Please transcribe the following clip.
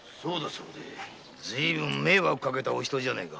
ずい分と迷惑かけたお人じゃねぇか。